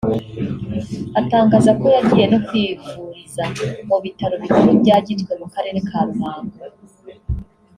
atangaza ko yagiye no kwivuriza ku Bitaro Bikuru bya Gitwe mu Karere ka Ruhango